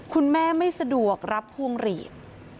คุณแม่ไม่สะดวกรับพวงหลีด